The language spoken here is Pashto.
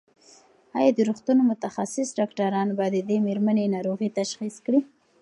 ایا د روغتون متخصص ډاکټران به د دې مېرمنې ناروغي تشخیص کړي؟